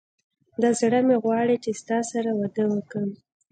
دا زړه مي غواړي چي ستا سره واده وکم